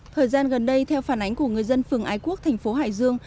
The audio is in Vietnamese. thời gian gần đây theo phản ánh của người dân phường ái quốc thành phố hải dương